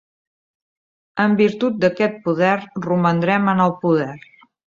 En virtut d'aquest poder, romandrem en el poder.